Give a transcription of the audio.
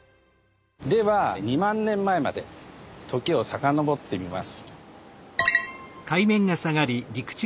では２万年前まで時を遡ってみます。